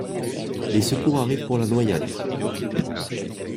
Les secours arrivent, pour la noyade.